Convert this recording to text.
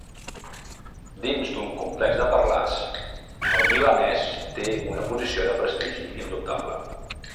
Dins d'un complex de parlars, el milanès té una posició de prestigi indubtable.